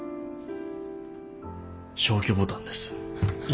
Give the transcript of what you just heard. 消去ボタンです。